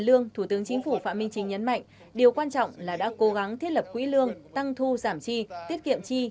minh chính nhấn mạnh điều quan trọng là đã cố gắng thiết lập quỹ lương tăng thu giảm chi tiết kiệm chi